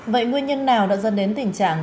vậy nguyên nhân nào đã dân đến tình trạng